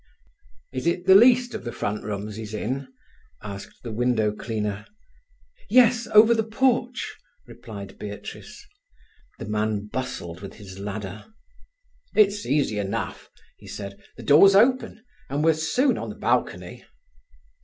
"Is it the least of the front rooms he's in?" asked the window cleaner. "Yes, over the porch," replied Beatrice. The man bustled with his ladder. "It's easy enough," he said. "The door's open, and we're soon on the balcony."